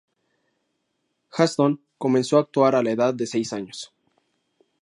Ashton comenzó a actuar a la edad de seis años.